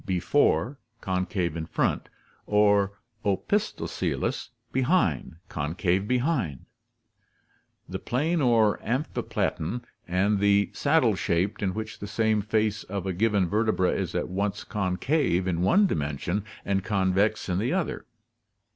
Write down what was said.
irpo9 before, concave in front) or opisthoccelous (Gr. Xirtaffcv, behind, concave behind); the plane or amphiplatyan; and the saddle shaped, in which the same face of a given vertebra is at once concave in one dimension and convex in the other.